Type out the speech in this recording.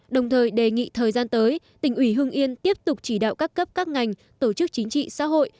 đồng thời đề nghị thời gian tới tỉnh ủy hương yên tiếp tục chỉ đạo các cấp các ngành tổ chức chính trị xã hội